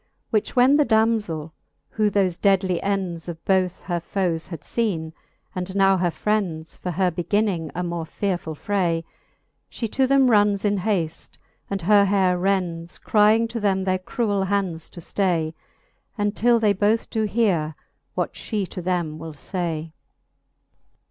Which when the damzell, who tkofe deadly ends Of both her foes had feene, and now her frends For her beginning a more fearefull fray, She to them runnes in haft, and her haire rends, Crying to them their cruell hands to ftay, Untill they both doe heare, what fhe to them will fay.